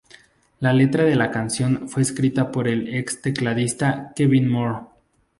La letra de la canción fue escrita por el ex tecladista Kevin Moore.